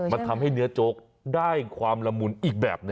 มันทำให้เนื้อโจ๊กได้ความละมุนอีกแบบน